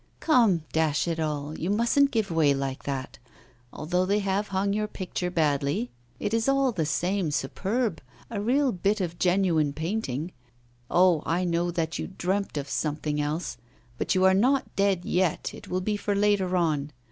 'Come, dash it all! you mustn't give way like that. Although they have hung your picture badly, it is all the same superb, a real bit of genuine painting. Oh! I know that you dreamt of something else! But you are not dead yet, it will be for later on.